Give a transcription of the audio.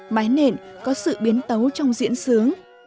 mái nện có sự biến tấu trong diễn xướng